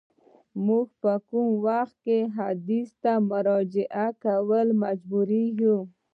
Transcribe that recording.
موږ په کوم وخت کي حدیث ته په مراجعه کولو مجبوریږو؟